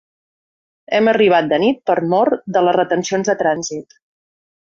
Hem arribat de nit per mor de les retencions de trànsit.